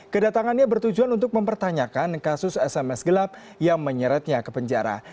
kedatangannya bertujuan untuk mempertanyakan kasus sms gelap yang menyeretnya ke penjara